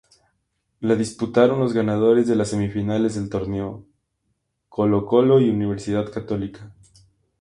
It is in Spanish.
La disputaron los ganadores de las semifinales del torneo: Colo-Colo y Universidad Católica.